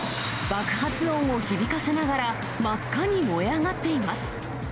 爆発音を響かせながら、真っ赤に燃え上がっています。